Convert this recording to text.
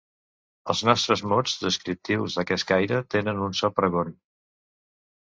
Els nostres mots descriptius d'aquest caire tenen un so pregon.